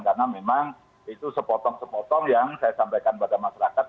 karena memang itu sepotong sepotong yang saya sampaikan kepada masyarakat